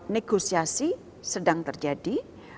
negosiasi sedang terjadi